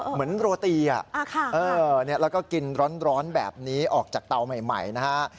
โรตีแล้วก็กินร้อนแบบนี้ออกจากเตาใหม่นะฮะ